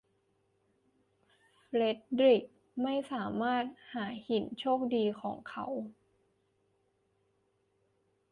เฟรดดริคไม่สามารถหาหินโชคดีของเขา